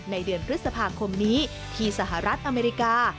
ในเดือนพฤษภาคมนี้ที่สหรัฐอเมริกา